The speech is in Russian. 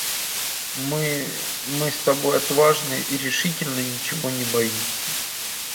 Мы...мы с тобой отважные и решительно ничего не боимся!